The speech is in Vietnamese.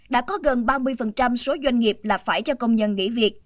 đã có gần ba mươi số doanh nghiệp là phải cho công nhân nghỉ việc